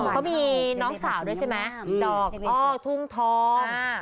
เขามีน้องสาวด้วยใช่ไหมดอกอ้อทุ่งทอง